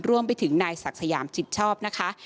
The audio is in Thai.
รวมไปถึงนายศักดิ์สยามจิตชอบนะคะ